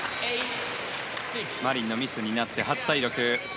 マリンのミスになって８対６。